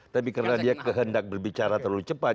tapi karena dia kehendak berbicara terlalu cepat